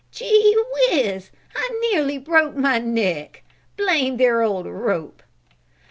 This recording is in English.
"Gee whiz! I nearly broke my neck. Blame their old rope!"